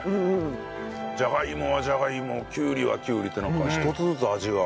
じゃがいもはじゃがいもきゅうりはきゅうりってなんか一つずつ味が。